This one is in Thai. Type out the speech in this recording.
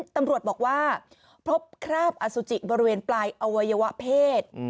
ตำรวจบอกว่าพบคราบอสุจิบริเวณปลายอวัยวะเพศ